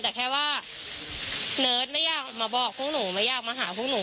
แต่แค่ว่าเนิร์ดไม่อยากมาบอกพวกหนูไม่อยากมาหาพวกหนู